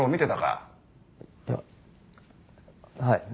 いやはい。